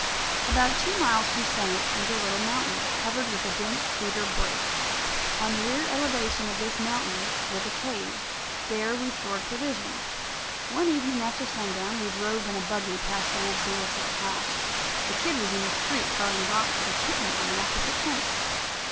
About two miles from Summit was a little mountain, covered with a dense cedar brake. On the rear elevation of this mountain was a cave. There we stored provisions. One evening after sundown, we drove in a buggy past old Dorset's house. The kid was in the street, throwing rocks at a kitten on the opposite fence.